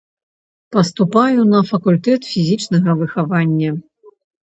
Паступаю на факультэт фізічнага выхавання.